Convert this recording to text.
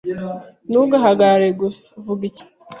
Ntugahagarare gusa, vuga ikintu.